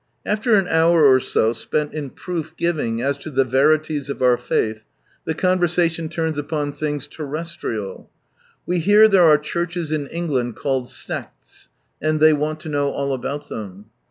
After an hour or so spent in proof giving as to the veri ties of our faith, the conversation turns upon things terrestrial. "We hear there are churches in England called iccis" and they want to know all about them.